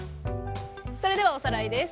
それではおさらいです。